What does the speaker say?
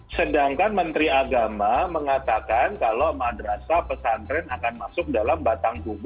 sedangkan menteri agama mengatakan kalau madrasah pesantren akan masuk dalam batang tubuh